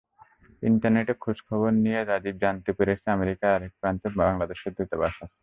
ইন্টারনেটে খোঁজখবর নিয়ে রাজীব জানতে পেরেছে, আমেরিকার আরেক প্রান্তে বাংলাদেশের দূতাবাস আছে।